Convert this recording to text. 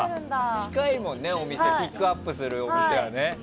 近いもんねピックアップするお店はね。